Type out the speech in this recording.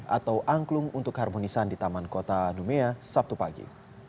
atau angklung untuk harmonisan di taman kota numea sabtu pagi